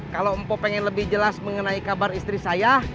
kalau mpo pengen lebih jelas mengenai kabar istri saya